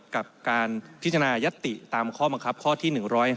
กับการพิจารณายัตติตามข้อบังคับข้อที่๑๕